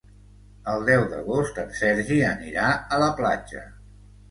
El deu d'agost en Sergi anirà a la platja.